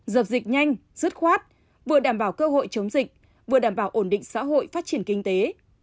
dập dịch nhanh dứt khoát vừa đảm bảo cơ hội chống dịch vừa đảm bảo ổn định xã hội phát triển kinh tế